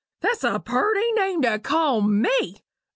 That's a purty name to call me!